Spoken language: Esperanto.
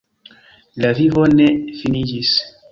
La vivo ne finiĝis.